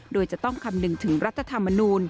โดยจะต้องคำนึงถึงรัฐธรรมนูล